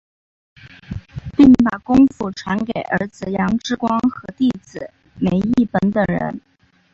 并把功夫传给儿子杨志光和弟子梅益本等人。